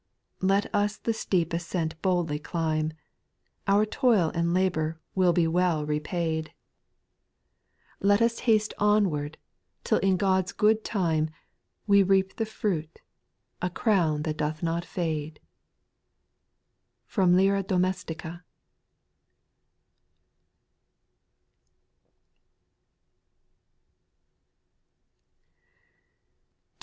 Let us the steep ascent boldly climb. Our toil and labour will be well repaid ; 26* 29 1: SPIRITUAL SONGS. Let us haste onward, till in God's good time We reap the fruit — a crown that doth not fade. FROM LYIIA D0ME8TICA.